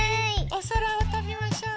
おそらをとびましょう。